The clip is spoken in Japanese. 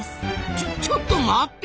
ちょちょっと待って！